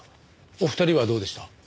お二人はどうでした？